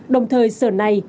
đồng thời sở này